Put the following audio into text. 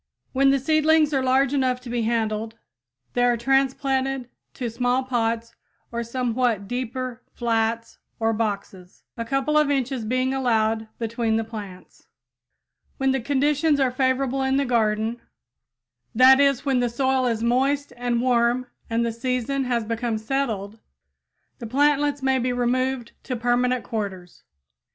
When the seedlings are large enough to be handled they are transplanted to small pots or somewhat deeper flats or boxes, a couple of inches being allowed between the plants. When conditions are favorable in the garden; that is, when the soil is moist and warm and the season has become settled, the plantlets may be removed to permanent quarters.